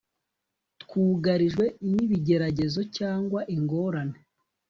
twugarijwe n’ibigeragezo cyangwa ingorane